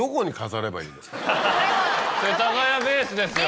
世田谷ベースですよ。